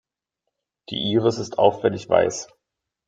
Die Iris ist auffällig weiß.